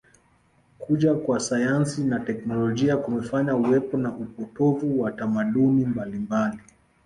Kuja kwa sayansi na teknolojia kumefanya uwepo na upotovu wa tamaduni mbalimbali